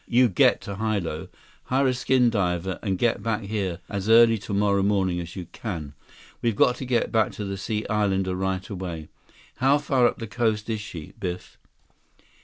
You get to Hilo. Hire a skin diver and get back here as early tomorrow morning as you can. We've got to get back to the Sea Islander right away. How far up the coast is she, Biff?"